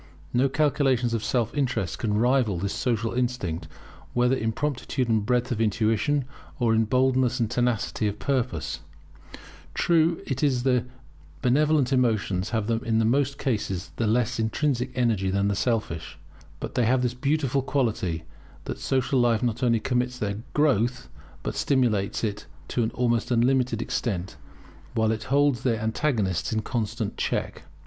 No calculations of self interest can rival this social instinct, whether in promptitude and breadth of intuition, or in boldness and tenacity of purpose. True it is that the benevolent emotions have in most cases less intrinsic energy than the selfish. But they have this beautiful quality, that social life not only permits their growth, but stimulates it to an almost unlimited extent, while it holds their antagonists in constant check.